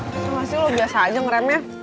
bisa ga sih lo biasa aja nge rem ya